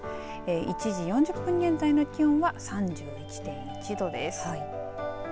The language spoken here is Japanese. １時４０分現在の気温は３１．１度です。